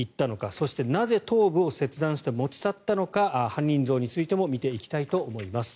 そしてなぜ、頭部を切断して持ち去ったのか犯人像についても見ていきたいと思います。